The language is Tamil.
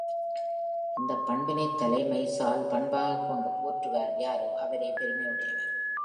இந்தப் பண்பினைத் தலைமை சால் பண்பாகக் கொண்டு போற்றுவார் யாரோ அவரே பெருமையுடையவர்.